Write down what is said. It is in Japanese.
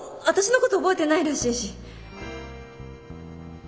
私のこと覚えてないらしいし。